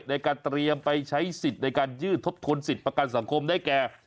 ในการเตรียมไปใช้สิทธิ์ในการยืดทบทวนสิทธิ์ประกันสังคมได้แก่